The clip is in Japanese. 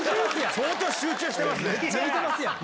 相当集中してますね。